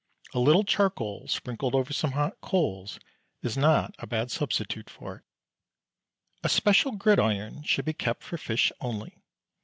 A little charcoal sprinkled over some hot coals is not a bad substitute for it. A special gridiron should be kept for fish only.